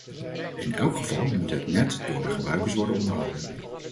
In elk geval moet het net door de gebruikers worden onderhouden.